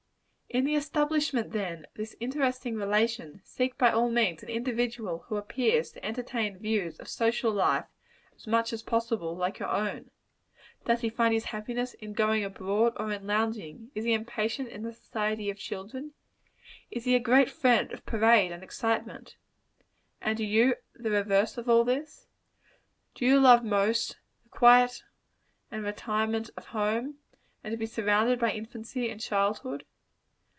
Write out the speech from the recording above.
In the establishment, then, of this interesting relation, seek by all means an individual who appears to entertain views of social life, as much as possible, like your own. Does he find his happiness in going abroad, or in lounging? Is he impatient in the society of children? Is he a great friend of parade and excitement? And are you the reverse of all this? Do you love most the quiet and retirement of home and to be surrounded by infancy and childhood?